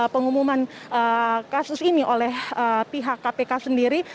pengumuman kasus ini oleh pihak kpk sendiri